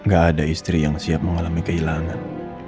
gak ada istri yang siap mengalami kehilangan